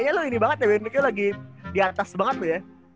kayanya lu ini banget ya bener mikio lagi di atas banget lu ya